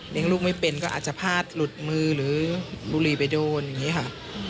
ลูกไม่เป็นก็อาจจะพลาดหลุดมือหรือบุหรี่ไปโดนอย่างนี้ค่ะ